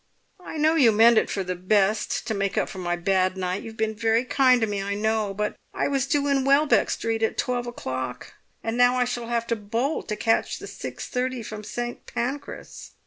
"I know you meant it for the best—to make up for my bad night—you've been very kind to me, I know! But I was due in Welbeck Street at twelve o'clock, and now I shall have to bolt to catch the six thirty from St. Pancras."